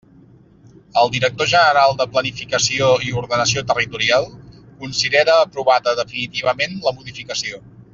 El director general de Planificació i Ordenació Territorial considera aprovada definitivament la modificació.